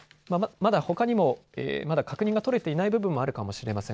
まだほかにも、まだ確認が取れていない部分もあるかもしれません。